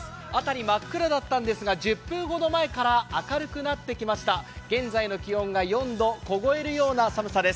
真っ暗だったんですが明るくなってきました、現在の気温が４度凍えるような寒さです。